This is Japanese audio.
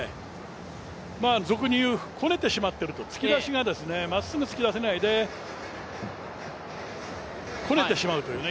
俗に言う、こねてしまっているという突き出しがまっすぐ突き出せないで、こねてしまうというね。